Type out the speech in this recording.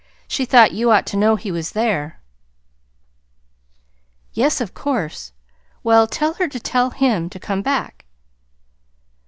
She thought you ought to know he was there." "Yes, of course. Well, tell her to tell him to come back."